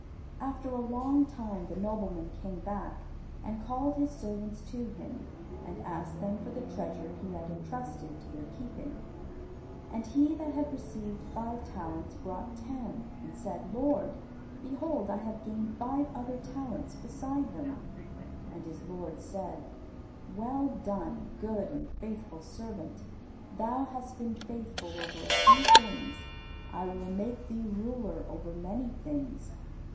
After a long time the nobleman came back and called his servants to him, and asked them for the treasure he had entrusted to their keeping. And he that had received five talents, brought ten, and said, "Lord, behold, I have gained five other talents beside them." And his lord said, "Well done, good and faithful servant; thou hast been faithful over a few things, I will make thee ruler over many things.